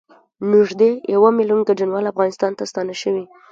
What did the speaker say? نږدې یوه میلیون کډوال افغانستان ته ستانه شوي